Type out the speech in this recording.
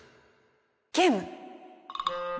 ゲーム？